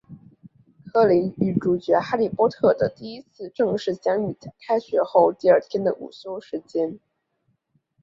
柯林与主角哈利波特的第一次正式相遇在开学后第二天的午休时间。